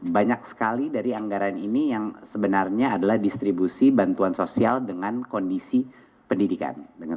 banyak sekali dari anggaran ini yang sebenarnya adalah distribusi bantuan sosial dengan kondisi pendidikan